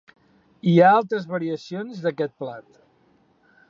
Hi ha altres variacions d'aquest plat.